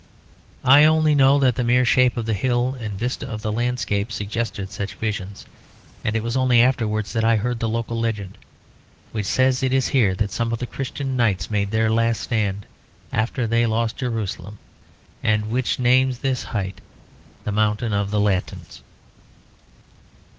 I only know that the mere shape of the hill and vista of the landscape suggested such visions and it was only afterwards that I heard the local legend, which says it is here that some of the Christian knights made their last stand after they lost Jerusalem and which names this height The Mountain of the Latins.